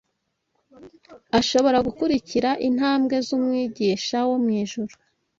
Ashobora gukurikira intambwe z’Umwigisha wo mu ijuru